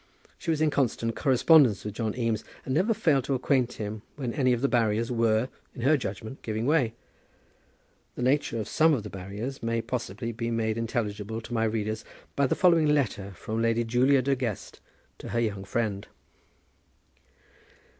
She was in constant correspondence with John Eames, and never failed to acquaint him when any of the barriers were, in her judgment, giving way. The nature of some of the barriers may possibly be made intelligible to my readers by the following letter from Lady Julia De Guest to her young friend.